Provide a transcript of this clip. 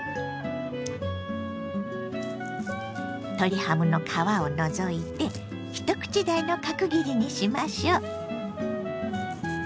鶏ハムの皮を除いて一口大の角切りにしましょう。